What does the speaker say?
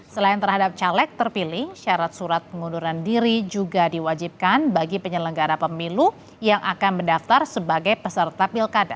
selain terhadap caleg terpilih syarat surat pengunduran diri juga diwajibkan bagi penyelenggara pemilu yang akan mendaftar sebagai peserta pilkada